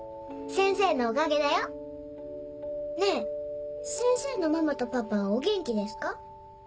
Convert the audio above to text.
先生のおかげだよ。ねぇ先生のママとパパはお元気ですか？